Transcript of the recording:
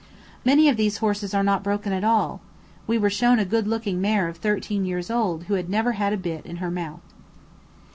Many of these horses are not broken at all; we were shown a good looking mare of thirteen years old who had never had a bit in her mouth.